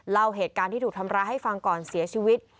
เล่าเหตุการณ์ที่ถูกทำร้ายให้ฟังก่อนเสียชีวิต